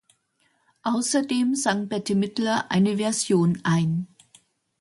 Außerdem sang Bette Midler eine Version ein.